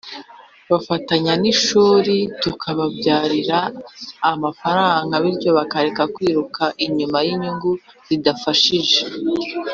bafatanya n’ishuri tukababyarira amafaranga bityo bakareka kwiruka inyuma y’inyungu zidafashije.